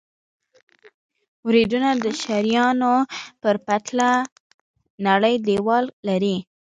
وریدونه د شریانونو په پرتله نری دیوال لري.